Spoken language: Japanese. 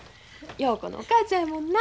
陽子のお母ちゃんやもんな。